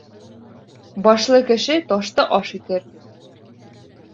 Башлы кеше ташты аш итер.